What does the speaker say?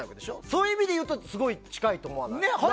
そういう意味でいうとすごく近いと思わない？